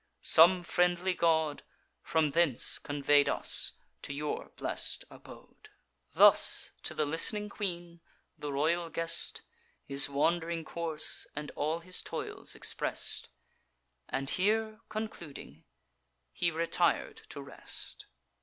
Some friendly god From thence convey'd us to your blest abode." Thus, to the list'ning queen, the royal guest His wand'ring course and all his toils express'd; And here concluding, he retir'd to rest.